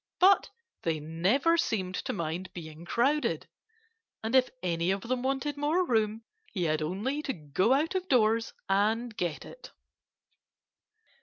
But they never seemed to mind being crowded. And if any of them wanted more room he had only to go out of doors and get it.